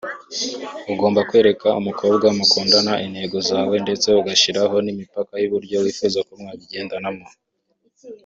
ugomba kwereka umukobwa mukundana intego zawe ndetse ugashyiraho n’imipaka y’uburyo wifuza ko mwabigendanamo